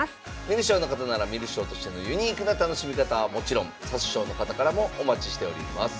観る将の方なら観る将としてのユニークな楽しみ方はもちろん指す将の方からもお待ちしております。